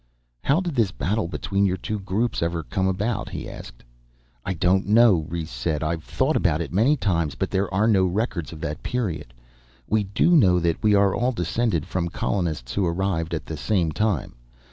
"How did this battle between your two groups ever come about?" he asked. "I don't know," Rhes said, "I've thought about it many times, but there are no records of that period. We do know that we are all descended from colonists who arrived at the same time.